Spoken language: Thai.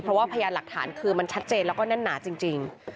เพราะว่าพยานหลักฐานคือมันชัดเจนแล้วก็แน่นหนาจริง